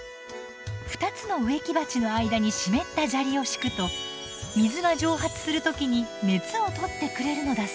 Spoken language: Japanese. ２つの植木鉢の間に湿った砂利を敷くと水が蒸発する時に熱をとってくれるのだそう。